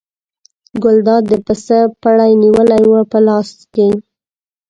ګلداد د پسه پړی نیولی و په لاس کې.